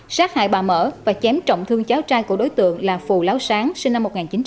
sát hại bà mở và chém trọng thương cháu trai của đối tượng là phù láo sáng sinh năm một nghìn chín trăm tám mươi